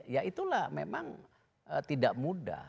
ya itulah memang tidak mudah